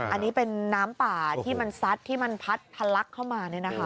อันนี้เป็นน้ำป่าที่มันซัดที่มันพัดพลักษณ์เข้ามานี่นะครับ